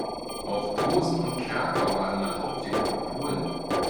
Auch Posen und Krakau waren mal Hauptstädte von Polen.